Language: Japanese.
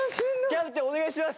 キャプテンお願いします。